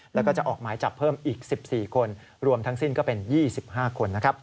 แล้วก็จะออกหมายจับเพิ่มอีก๑๔คนรวมทั้งสิ้นก็เป็น๒๕คนนะครับ